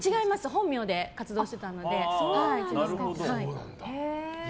本名で活動していたので。